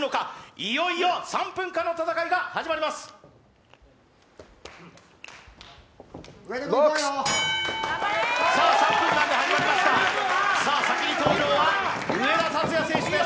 いよいよ３分間の戦いが始まります先に登場は上田竜也選手です。